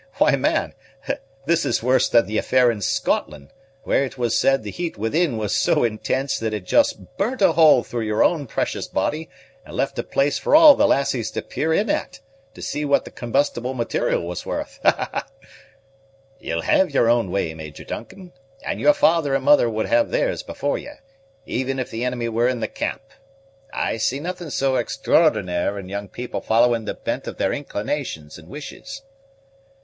Why, man, this is worse than the affair in Scotland, where it was said the heat within was so intense that it just burnt a hole through your own precious body, and left a place for all the lassies to peer in at, to see what the combustible material was worth." "Ye'll have your own way, Major Duncan; and your father and mother would have theirs before ye, even if the enemy were in the camp. I see nothing so extraordinar' in young people following the bent of their inclinations and wishes."